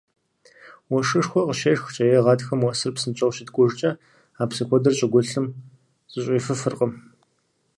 Уэшхышхуэ къыщешхкӀэ е гъатхэм уэсыр псынщӀэу щыткӀужкӀэ а псы куэдыр щӀыгулъым зэщӀифыфыркъым.